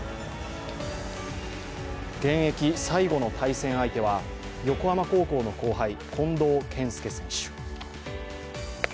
現役最後の対戦相手は横浜高校の後輩、近藤健介選手。